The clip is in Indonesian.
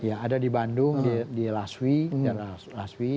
iya ada di bandung di laswi di laswi